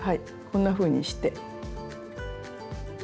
こんなふうにして。